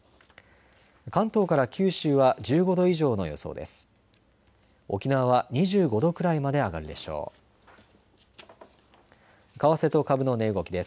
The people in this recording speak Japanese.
関東から九州は１５度以上の予想です。